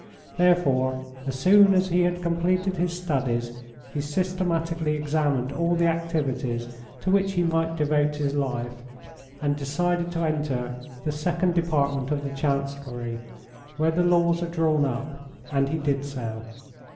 Therefore, as soon as he had completed his studies, he systematically examined all the activities to which he might devote his life, and decided to enter the Second Department of the Chancellerie, where the laws are drawn up, and he did so.